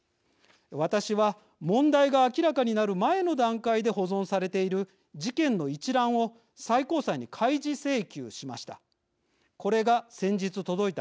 私は問題が明らかになる前の段階で保存されている事件の一覧を最高裁に開示請求しました。